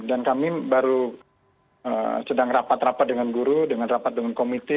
dan kami baru sedang rapat rapat dengan guru dengan rapat dengan komite